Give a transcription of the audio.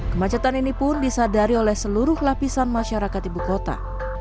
kemacetan ini pun disadari oleh seluruh lapisan masyarakat ibu kota